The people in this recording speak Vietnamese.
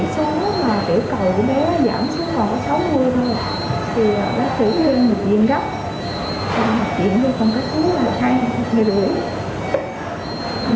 xong rồi diễn vô công tác thuốc là hai ngày rưỡi